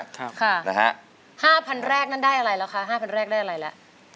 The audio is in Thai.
ค่ะห้าพันแรกนั้นได้อะไรแล้วคะห้าพันแรกได้อะไรแล้ว